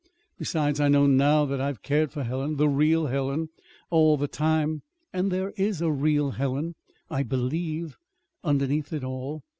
Besides, I know now that I've cared for Helen the real Helen all the time. And there is a real Helen, I believe, underneath it all.